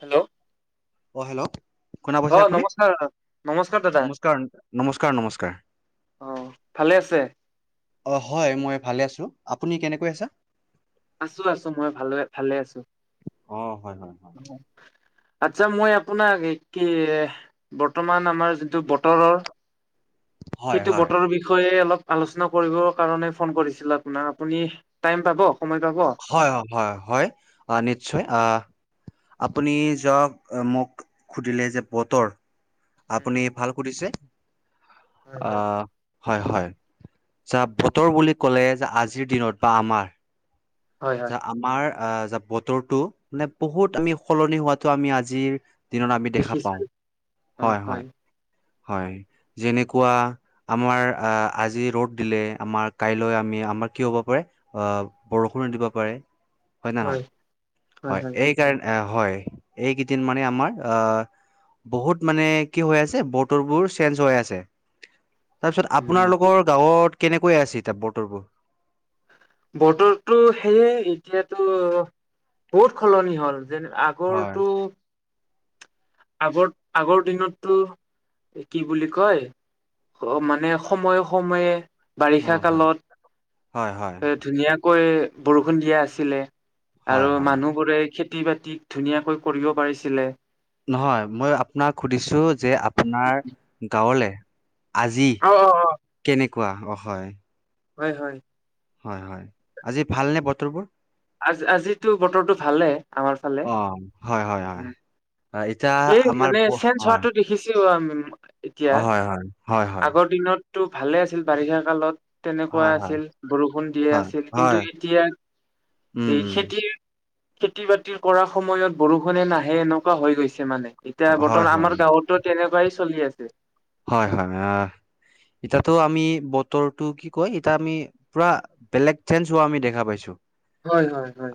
Hello অ hello শুনা অ পাইছে আপুনি? নমস্কাৰ নমস্কাৰ দাদা নমস্কাৰ, নমস্কাৰ, নমস্কাৰ অ, ভালে আছে? অ', হয় মই ভালে আছোঁ। আপুনি কেনেকৈ আছে? আছোঁ আছোঁ, মই ভাল-ভালে আছোঁ। অ', হয়, হয়, হয় আচ্ছা মই আপোনাক কি, বৰ্তমান আমাৰ যোনটো বতৰৰ হয়, সেইটো হয়, বতৰৰ বিষয়ে অলপ আলোচনা কৰিব কাৰণে ফোন কৰিছিলো আপোনাক। আপুনি টাইম পাব? সময় পাব উম হয়, হয়, হয়, আহ, নিশ্চয় আহ, আপুনি যাক, মোক সুধিলে যে বতৰ আপুনি উম ভাল সুধিছে, হয় হয় আহ, হয়, হয়, চা, বতৰ বুলি ক'লে যে আজিৰ দিনত বা আমাৰ হয় যে হয় আমাৰ আহ য বতৰটো মানে বহুত আমি সলনি হোৱাাতো আমি আজিৰ দিনত আমি দেখা পাওঁ, দেখিছো হয়, হয়। হয়, যেনেকুৱা আমাৰ আহ, আজি ৰ'দ দিলে, আমাৰ কাইলৈ আমি আমাৰ কি হ'ব পাৰে অ, বৰষুণো দিব পাৰে, হয় নে নহয়? হয়, এই কাৰ হয়, এইকেইদিন মানে আমাৰ আহ, বহুত মানে কি হৈ আছে, বতৰবোৰ চেঞ্জ হৈ আছে। তাৰপিছত উম আপোনালোকৰ গাঁৱত কেনেকৈ আছে, এতিয়া বতৰবোৰ? বতৰতো সেয়ে, এতিয়াতো বহুত সলনি হ'ল। যেনে হয় আগৰটো আগ-আগৰ দিনততটো কি বুলি কয় অ', মানে সময়ে সময়ে বাৰিষা অ হয় কালত, হয় হয় এ, ধুনীয়াকৈ বৰষুণ দিয়া আছিলে। আৰু হয় হয় মানুহবোৰে খেতি বাতি ধুনীয়াকৈ কৰিব পাৰিছিলে। নহয়, মই আপোনাক সুধিছোঁ যে আপোনাৰ গাঁৱলৈ আজি অ অ অ। কেনেকুৱা? অ, হয়। হয়, হয়। হয়, হয়, আজি ভালনে বতৰবোৰ? আজ-আজিতো বতৰটো ভালে আমাৰ ফালে, অ হয় হয় হয় উম, হয় এতিয়া সেই আমাৰ মানে ব- চেঞ্জ হয় হোৱাাতটো দেখিছো আমি এতিয়া, অ হয় হয় হয় হয় আগৰ দিনত টো ভালে আছিল বাৰিষা কালত তেনেকুৱা হয় হয় আছিল, বৰষুণ দিয়ে আছিল, হয় কিন্তু হয় এতিয়া, উম এই উম খেতিৰ খেতি বাতি কৰা সময়ত বৰষুণে নাহে, এনেকুৱা হৈ গৈছে মানে। এতিয়া হয় বৰ্তমান হয় আমাৰ গাঁৱতো তেনেকুৱাই চলি আছে। হয়, হয়। এতিয়াতো আমি বতৰটো, কি কয়, এতা আমি পুৰা বেলেগ চেঞ্জ হোৱা আমি দেখা পাইছোঁ। হয়, হয়, হয়।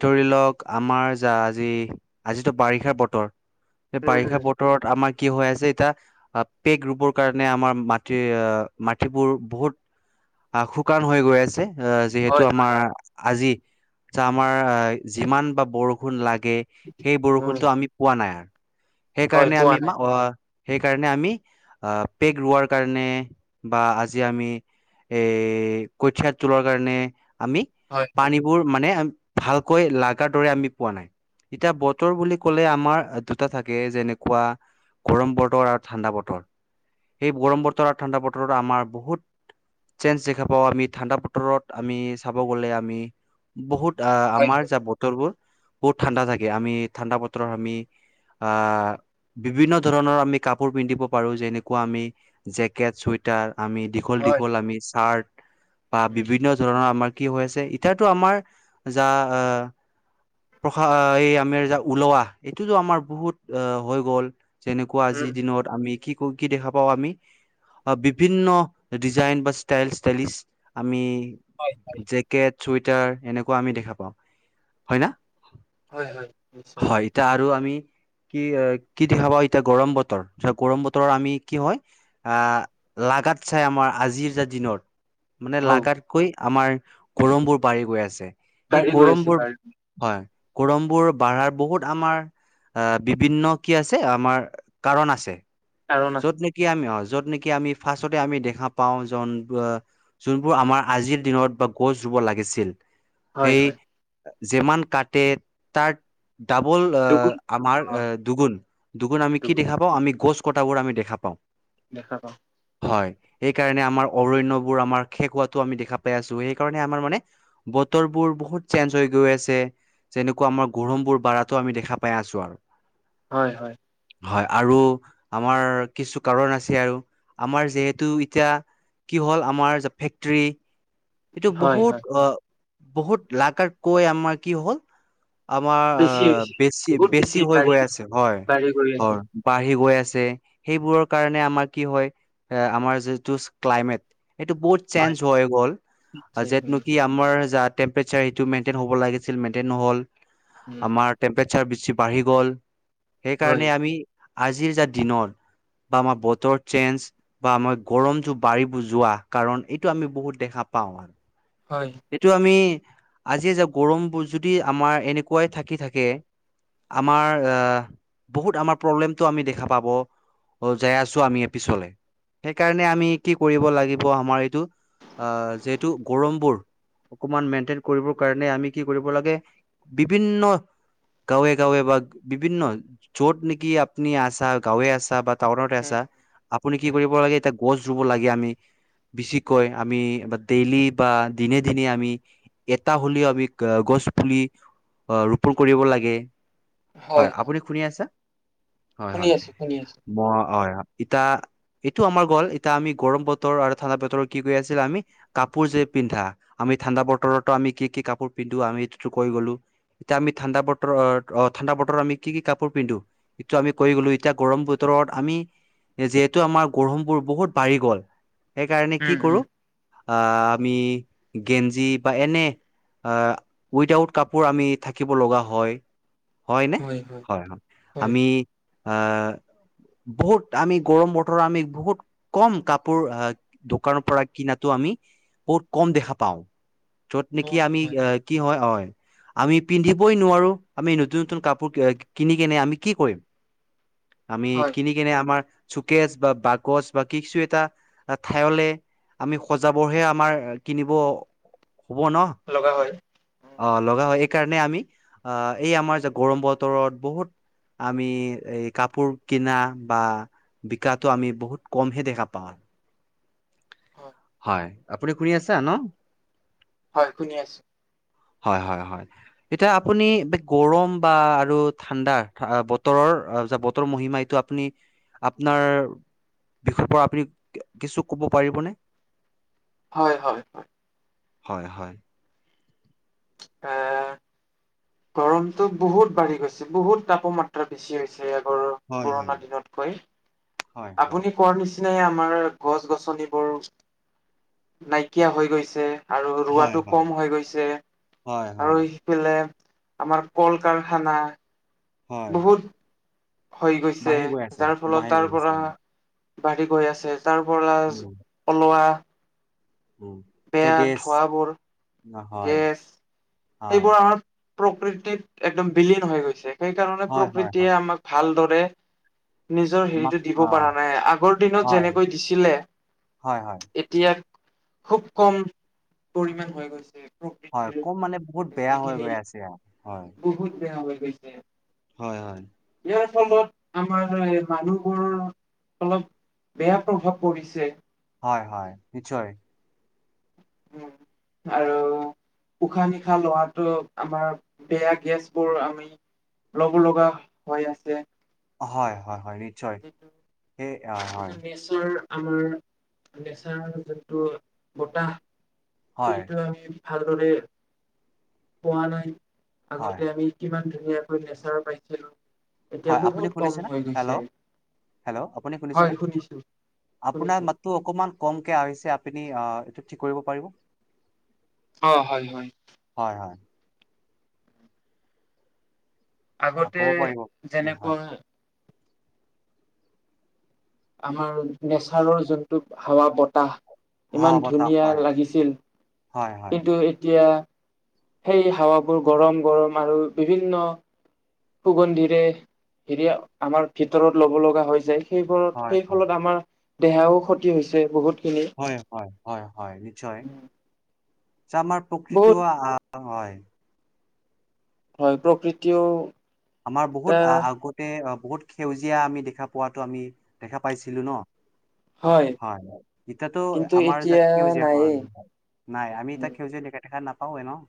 ধৰি লওক, আমাৰ যা আজি, আজিতো বাৰিষাৰ বতৰ। এই উম বাৰিষা উম বতৰত আমাৰ কি হৈ আছে এতিয়া পেক ৰুবৰ কাৰণে, আমাৰ মাটি আহ মাটিবোৰ বহুত আহ, শুকান হৈ গৈ আছে। অ', যিহেতু হয় আমাৰ আজি চা আমাৰ যিমান বা বৰষুণ লাগে সেই উম বৰষুণটো আমি পোৱা নাই। হয় সেইকাৰণে পোৱা আমি নাই [unintelligible] সেইকা আমি, আহ, পেক ৰোৱাৰ কাৰণে বা আজি আমি এ, কঠিয়াত তোলাৰ কাৰণে, আমি হয় হয় পানীবোৰ, মানে আ ভালকৈ লাগাৰ দৰে আমি পোৱা নাই। এতিয়া বতৰ বুলি ক'লে, আমাৰ দুটা থাকে, যেনেকুৱা গৰম বতৰ আৰু ঠাণ্ডা বতৰ। সেই গৰম বতৰ আৰু ঠাণ্ডা বতৰত আমাৰ বহুত চেঞ্জ দেখা পাওঁ আমি। ঠাণ্ডা বতৰত, আমি চাব গ'লে, আমি বহুত অ', হয় আমাৰ যা বতৰবোৰ বহুত ঠাণ্ডা থাকে। আমি ঠাণ্ডা বতৰত, আমি আহ, বিভিন্ন ধৰণৰ আমি কাপোৰ পিন্ধিব পাৰোঁ, যেনেকুৱা আমি জেকেট, চুৱেটাৰ, আমি দীঘল হয় দীঘল আমি চাৰ্ট বা উম বিভিন্ন ধৰণৰ, আমাৰ কি হৈ আছে এতিয়াতো, আমাৰ যা, আহ প্ৰসা, এই আমিৰ যা ওলোৱা, এইটোতো আমাৰ বহুত হৈ গ'ল। যেনেকুৱা উম আজি মে কি ক কি দেখা পাওঁ আমি। অ', বিভিন্ন ডিজাইন বা ষ্টাইল, ষ্টাইলিছ আমি হয় জেকেট, চুৱেটাৰ, এনেকুৱা আমি দেখা পাওঁ, হয় না? হয়, হয়, নিশ্চয়। তুমি কি কি দেখা পা এতিয়া, গৰম বতৰ? চোৱা, গৰম বতৰত, আমি কি হয়, আহ, লাগাত চাই, আমাৰ আজিৰ যে দিনত মানে, হও লাগাতকৈ আমাৰ গৰম বোৰ বাঢ়ি গৈ আছে। সেই বাঢ়ি গৈ আছে গৰমবোৰ বাঢ়ি হয়। গৰম বোৰ বাঢ়াৰ বহুত, আমাৰ, আহ, বিভিন্ন কি আছে আমাৰ কাৰণ আছে। কাৰণ আছে য'ত নেকি আমি সহজ য'ত নেকি আমি ৰ্ফাচটতে আমি দেখা পাওঁ জন অ', যোনবোৰ আমাৰ আজিৰ দিনত বা গছ ব লাগিছিল। হয় সেই হয়। যিমান কাটে, তাত ডাবল, দুগুণ আমাৰ পাওঁ দুগুণ দুগুণ, আমি কি দেখা পাওঁ? আমি গছ কটাবোৰ আমি দেখা পাওঁ। দেখা পাওঁ। হয়। সেইকাৰণে আমাৰ অৰণ্যবোৰ আমাৰ শেষ হোৱাটো আমি দেখা পাই আছোঁ। সেইকাৰণে আমাৰ মানে ব বতৰ বোৰ বহুত চেঞ্জ হৈ গৈ আছে। যেনেকুৱা আমাৰ গৰমবোৰ বাঢ়াতো আমি দেখা পাই আছোঁ, আৰু হয় হয়। হয়, আৰু আমাৰ কিছু কাৰণ আছে। আৰু আমাৰ, যিহেতু এতিয়া কি হ'ল, আমাৰ যে ফেক্টৰী এইটো হয় বহুত হয় আহ, বহুত লাগাত কৈ আমাৰ কি হ'ল আমাৰ বেছি আহ হৈছে বহুত বেছি বেছি-বেছি হৈ বাঢ়ি গৈ আছে হয় বাঢ়ি গৈ আছে অ' বাঢ়ি গৈ আছে। সেইবোৰৰ কাৰনে আমাৰ কি হ'য়, এ আমাৰ যিটো ক্লাইমেট এইটো বহুত চেঞ্জ হয় হৈ গ'ল। নিশ্চয় উম যেতনোকি আমাৰ [unintelligible] টেম্পেৰেছাৰ এইটো মেণ্টইন হব লাগিছিল, মেণ্টইন নহ'ল। উম আমাৰ টেম্পেৰে ইচ্ছাৰ বেছি বাঢ়ি গ'ল হয় সেইকাৰণে আমি আজিৰ যে দিনৰ বা আমাৰ বতৰ চেঞ্জ বা আমাৰ গৰমটো বাঢ়ি বোৰ যোৱা কাৰণ এইটো আমি বহুত দেখা পাওঁ। হয় এইটো আমি আজি যে গৰমবোৰ যদি আমাৰ এনেকুৱাই থাকি থাকে আমাৰ এ বহুত আমাৰ প্ৰব্লেমতটো আমি দেখা পাব। অ' যাই আছো আমি পিছলে। সেইকাৰণে আমি কি কৰিব লাগিব আমাৰ এইটো আহ যিহেতু গৰমবোৰ অকনমান মেইনটেইন কৰিবৰ কাৰণে আমি কি কৰিব লাগে বিভিন্ন গাঁৱে গাঁৱে বা বিভিন্ন চ'ত নেকি আপনি আছা গাঁৱে আছা বা টাউনতে উম আছা আপুনি কি উম কৰিব লাগে এতিয়া গছ ৰুব লাগে। আমি বেছিকৈ আমি দেইলি বা দিনে দিনে আমি এটা হ'লেও আমি গছ পুলি- অ' ৰোপন কৰিব লাগে। হয়, আপুনি শুনি আছা? হয়, শুনি হয় আছো শুনি আছো ম হয়। ইতাএইটো আমাৰ গ'ল। এতিয়া আমি গৰম বতৰ আৰু ঠাণ্ডা বতৰ কি কৰি আছিল আমি? কাপোৰ যে পিন্ধা আমি ঠাণ্ডা বতৰতো আমি কি কি কাপোৰ পিন্ধো আমি সেই কৈ গ'লো। এতিয়া আমি ঠাণ্ডা বতৰ অ' ঠাণ্ডা বতৰত আমি কি কি কাপোৰ পিন্ধো ই এইটো আমি কৈ গলো। এতিয়া গৰমত ৰ'দ আমি যিহেতু আমাৰ গৰমবোৰ বহুত বাঢ়ি গ'ল সেইকাৰণে কি উম উম কৰো অহ আমি গেঞ্জি বা এনে অহ উইদআউট কাপোৰ আমি থাকিব লগা হয় হয় নে? হয়, হয় আমি অহ বহুত আমি গৰম বতৰ আমি বহুত কম কাপোৰ অহ দোকানৰ পৰা কিনাত আমি বহুত কম দেখা পাওঁ। য'ত নেকি বহুত আমি হয় কি হয়, হয়? আমি পিন্ধিবই নোৱাৰো। আমি নতুন নতুন কাপোৰ কিনি কিনে আমি কি কৰিম? আমি হয় কিনি কিনে আমাৰ চুকেজ বা বাকচ বা কিছু এটা ঠাইলে আমি সজাবহে আমাৰ কিনিব হ'ব ন লগা হয়। উম অ' লগা হয়। এইকাৰণে আমি আহ এই আমাৰ গৰম বতৰত বহুত আমি এই কাপোৰ কিনা বা বিকাটো আমি বহুত কমহে দেখা পাওঁ। হয় হয়, আপুনি শুনি আছা ন? হয় শুনি আছো। হয়- হয়- হয়। এতিয়া আপুনি গৰম বা আৰু ঠাণ্ডা বতৰ য বতৰ মহিমা এইটো আপুনি আপোনাৰ বিষয়ৰ পৰা আপুনি কিছু ক'ব পাৰিবনে? হয়- হয়-হয়। হয়, হয়। এ গৰমতটো বহুত বাঢ়ি গৈছে। বহুত তাপমাত্ৰা বেছি হৈছে ইয়াত হয় হয় পুৰণা দিনতকৈ। হয় হয় আপুনি কোৱা নিচিনা নিচেই আমাৰ গছ গছনিবোৰ নাইকিয়া হৈ গৈছে। আৰু হয় ৰোৱাটো হয় কম হৈ গৈছে। হয় হয় আৰু সিফালে আমাৰ কল কাৰখানা হয় বহুত হৈ গৈছে। বাঢ়ি গৈ আছে যাৰ ফলত বাঢ়ি তাৰ গৈ আছে। পৰা বাঢ়ি গৈ আছে। তাৰ পৰা উম ওলোৱা উম যে বেয়া গেছ ধোৱাবোৰ না হয়, গেছ হয়। এইবোৰ আমাৰ প্ৰকৃতিত একদম বিলীন হৈ গৈছে। সেইকাৰণে হয়, হয়, প্ৰকৃতিয়ে হয়। আমাক ভালদৰে নিজৰ আমাক হেৰিটো দিব হয়, পৰা নাই। আগৰ দিনত হয়, যেনেকৈ দিছিলে হয়, হয়, এতিয়া, খুব কম পৰিমাণ হৈ গৈছে। হয়, প্ৰকৃতিৰ কম মানে বহুত বেয়া হৈ যিখিনি গৈ আছে আও। হয়। কৈছে। হয়, হয়। ইয়াৰ ফলত আমাৰ এই মানুহবোৰ অলপ বেয়া প্ৰভাৱ পৰিছে। হয়, হয়, নিশ্চয়। উম [inaudible] আৰু উশাহ-নিশাহ লোৱাতো আমাৰ বেয়া গেছবোৰ আমি ল'ব লগা হৈ আছে। হয়, হয়, হয় নিশ্চয়। যিটো সে নেচাৰ, আমাৰ নেচাৰৰ যোনটো বতাহ, হয়, সেইটো আমি ভালদৰে পোৱা নাই। হয়, আগতে আমি কিমান ধুনীয়াকৈ নেচাৰ পাইছিলোঁ। হয়, আপুনি শুনিছেনে? হেল্ল', হেল্ল', আপুনি হয় শুনিছেনে? শুনিছো আপোনাৰ শুনিছো। মাততো অকমান কমকে আহিছে। আ নি আ, এইটো ঠিক কৰিব পাৰিব। অ' হয়, হয়। হয়, হয়। আ আগতে ক'ব পাৰিব। উম, হয়। যেনেকুৱা আমাৰ নেচাৰৰ যোনটো হাৱা-বতাহ হাৱা ইমান বতাহ ধুনীয়া হয়। লাগিছিল, হয়, হয়। কিন্তু এতিয়া সেই হাৱাবোৰ গৰম-গৰম আৰু বিভিন্ন সুগন্ধিৰে হেৰি আমাৰ ভিতৰত ল'ব লগা হৈ যায়। সেইবোৰত, হয়, সেই হয়। ফলত আমাৰ দেহাও ক্ষতি হৈছে বহুত। হয়, হয়, হয়, হয় নিশ্চয়। আমাৰ বহুত প্ৰকৃতিও আহ হয়। হয়, প্ৰকৃতিও আমাৰ বহুত এটা আ-আগতে বহুত সেউজীয়া আমি দেখা পোৱাতো আমি দেখা পাইছিলো ন? [inaudible] হয়, হয়। ইতাতো কিন্তু আমাৰ যাক এতিয়া সেউজীয়া নায়েই [unintelligible] নাই, আমি ইতিয়া সেউজীয়া [unintelligible] দেখা নাপাওঁ এ ন'?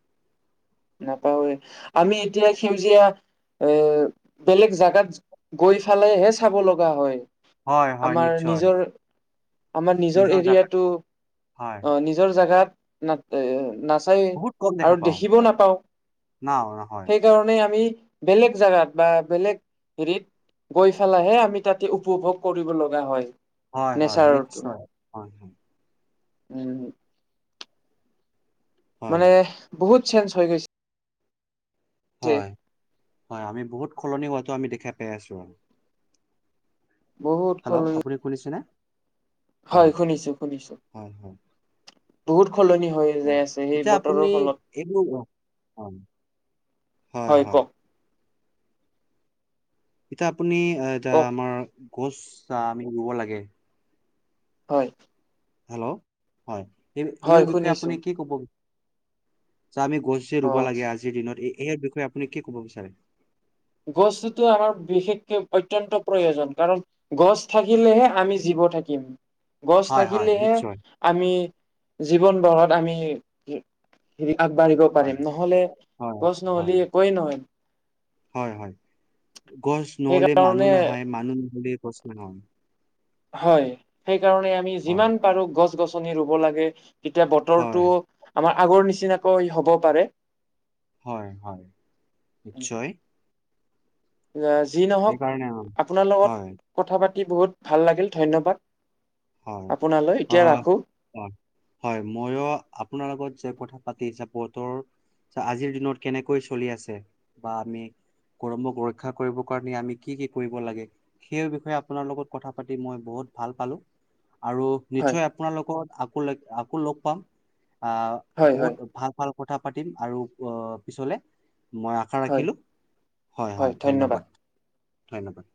নাপাওৱে। আমি এতিয়া সেউজীয়া এ বেলেগ জাগাত গৈ ফালেহে চাব লগা হয়। হয়, হয় আমাৰ নিশ্চয়। নিজৰ আমাৰ নিজৰ এৰিয়াটো, হয় অ' নিজৰ জাগাত নাত-এ-নাচ এ বহুত কম দেখা আৰু পাওঁ দেখিব নাপ না অ' নহয়। য়া আমি বেলেগ জাগাত বা বেলেগ হেৰিত গৈ ফালেহে আমি তাতে উপভোগ কৰিব লগা হয়। হয়, হয় নেচাৰৰটো নিশ্চয়। হয়, হয়। উম। হয় মানে বহুত চেঞ্জ হৈ গৈছে। হয়, হয়, আমি বহুত খলনি হোৱাটো আমি দেখা পাই আছো। বহুত হেল্ল', সলনি আপুনি শুনিছেনে? হয়, শুনিছো, শুনিছো। হয় হয় বহুত খলনি হৈ যাই হয় আছে সেই এতিয়া আপুনি বতৰৰ ফলত। এইবোৰ হয় হয়, হয়। ইটা আপুনি, এ-টা কওক আমাৰ, গছ আমি ৰুব লাগে। হয়। হেল্ল', হয়, হয় এইৰ বিষয়ে শুনিছো আপুনি কি ক'ব বি আমি গছ যে অ ৰুব লাগে আজিৰ দিনত, এই, ইয়াৰ বিষয়ে আপুনি কি ক'ব বিচাৰে? গছটোতো আমাৰ বিশেষকে, অত্যন্ত প্ৰয়োজন, কাৰণ গছ থাকিলেহে আমি জি থাকিম। গছ হয় হয় থাকিলেহে নিশ্চয় আমি জীৱন বঢ়াত আমি ৰি আগবাঢ়িব হয় পাৰিম, নহ'লে হয় গছ হয় নহ'লেএকোৱেই নহয়। হয় হয়, গছ নহ'লে মানুহ সেইকাৰণে নহয়, মানুহ নহ'লে গছ নহয়। হয়, সেইকাৰণে আমি হয় যিমান পাৰো গছ গছনি ৰুব লাগে। এতিয়া বতৰটো হয় আমাৰ আগৰ নিচিনাকৈ হ'ব পাৰে। হয় হয়, নিশ্চয়। যি নহওক, সেইকাৰণে আপোনাৰ লগত হয় কথা পাতি বহুত ভাল লাগিল, ধন্যবাদ। হয়, আপোনালৈ এতিয়া অ', ৰাখো হয়, হয়, ময়ো আপোনাৰ লগত যে কথা পাতি চাপৰ্টৰ আজিৰ দিনত কেনেকৈ চলি আছে বা আমি গৰমক ৰক্ষা কৰিব কাৰণে আমি কি কি কৰিব লাগে? সেই বিষয়ে আপোনাৰ লগত কথা পাতি মই বহুত ভাল পালোঁ। আৰু হয় নিশ্চয় আপোনাৰ লগত আকৌ লগ আকৌ লগ পাম, আহ, হয় হয় বহুত ভাল ভাল কথা পাতিম আৰু অ', পিছলে। মই আশা হয় ৰাখিলোঁ, হয় হয়, ধন্যবাদ, ধন্যবাদ।